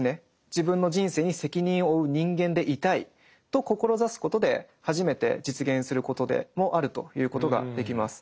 自分の人生に責任を負う人間でいたいと志すことで初めて実現することでもあると言うことができます。